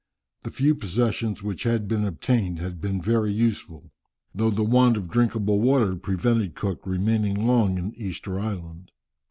The few possessions which had been obtained had been very useful, though the want of drinkable water prevented Cook remaining long in Easter Island.